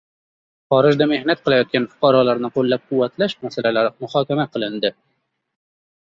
Xorijda mehnat qilayotgan fuqarolarni qo‘llab-quvvatlash masalalari muhokama qilindi